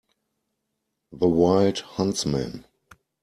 The wild huntsman.